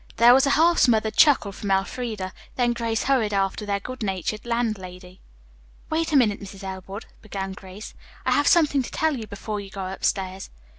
There was a half smothered chuckle from Elfreda, then Grace hurried after their good natured landlady. "Wait a minute, Mrs. Elwood," began Grace, "I have something to tell you before you go upstairs.